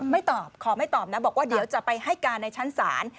ไม่ตอบขอไม่ตอบนะบอกว่าเดี๋ยวจะไปให้การในชั้นศาล